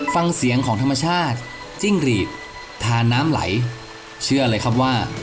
ฟังเสียงของธรรมชาติจิ้งหลีดทาน้ำไหลเชื่อเลยครับว่า